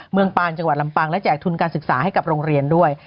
ปานจังหวัดลำปางและแจกทุนการศึกษาให้กับโรงเรียนด้วย